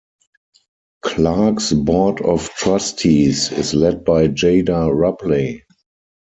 Clark's Board of Trustees is led by Jada Rupley.